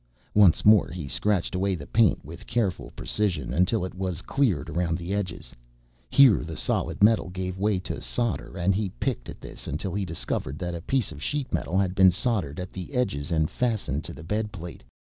Once more he scratched away the paint with careful precision, until it was cleared around the edges. Here the solid metal gave way to solder and he picked at this until he discovered that a piece of sheet metal had been soldered at the edges and fastened to the bedplate.